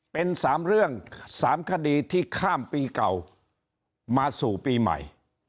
เป็น๓เรื่อง๓คดีที่ข้ามปีเก่ามาสู่ปีใหม่